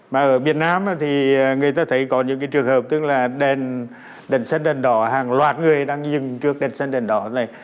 mà ở việt nam thì người ta thấy có những cái trường hợp tức là đèn sân đàn đỏ hàng loạt người đang dừng trước đến sân đèn đỏ này